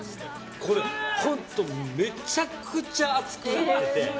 これホントめちゃくちゃ暑くなってて。